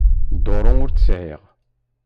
Duṛu ur tt-sεiɣ.